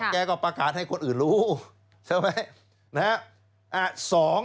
แกก็ประกาศให้คนอื่นรู้ใช่ไหม